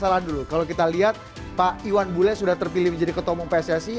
ada masalah dulu kalau kita lihat pak iwan bule sudah terpilih menjadi ketomong pssi